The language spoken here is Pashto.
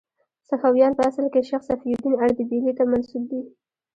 صفویان په اصل کې شیخ صفي الدین اردبیلي ته منسوب دي.